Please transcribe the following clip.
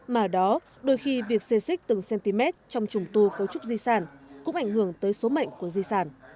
mà ở đó đôi khi việc xê xích từng cm trong trùng tu cấu trúc di sản cũng ảnh hưởng tới số mệnh của di sản